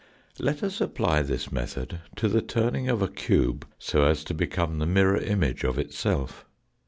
Let us apply this method to the turning of a cube so as to become the mirror image of itself.